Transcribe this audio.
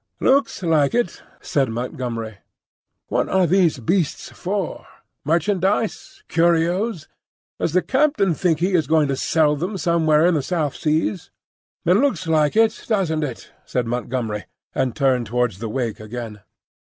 "Looks like it," said Montgomery. "What are these beasts for? Merchandise, curios? Does the captain think he is going to sell them somewhere in the South Seas?" "It looks like it, doesn't it?" said Montgomery, and turned towards the wake again.